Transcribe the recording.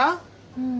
うん。